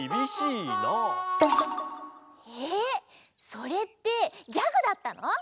それってギャグだったの？